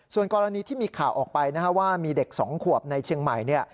ส่วนกรณีที่มีข่าวออกไปนะฮะว่ามีเด็ก๒ขวบในเชียงใหม่